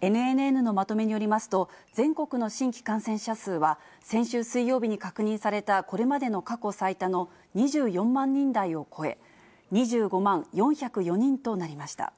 ＮＮＮのまとめによりますと、全国の新規感染者数は、先週水曜日に確認されたこれまでの過去最多の２４万人台を超え、２５万４０４人となりました。